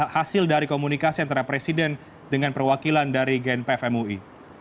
hasil dari komunikasi antara presiden dengan perwakilan dari gnpf mui